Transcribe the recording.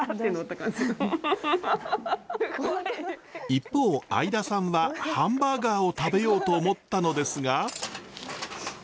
一方相田さんはハンバーガーを食べようと思ったのですが。